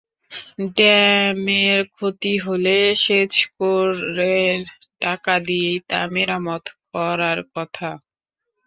ড্যামের ক্ষতি হলে সেচ করের টাকা দিয়েই তা মেরামত করার কথা।